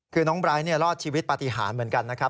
คือน้องไบร์ทรอดชีวิตปฏิหารเหมือนกันนะครับ